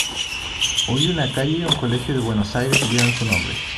Hoy una calle y un colegio de Buenos Aires llevan su nombre.